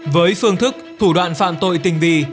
với phương thức thủ đoạn phạm tội tình vi